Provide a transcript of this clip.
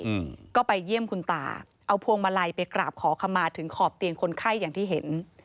อืมก็ไปเยี่ยมคุณตาเอาพวงมาลัยไปกราบขอขมาถึงขอบเตียงคนไข้อย่างที่เห็น